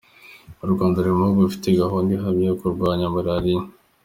U Rwanda ruri mu bihugu bifite gahunda ihamye yo kurwanya Maraliya